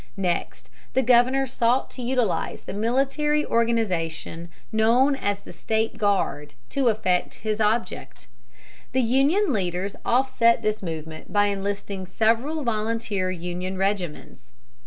Next, the governor sought to utilize the military organization known as the State Guard to effect his object. The Union leaders offset this movement by enlisting several volunteer Union regiments.